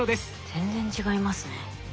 全然違いますね。